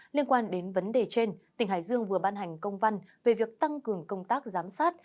liên quan đến vấn đề trên tỉnh hải dương vừa ban hành công văn về việc tăng cường công tác giám sát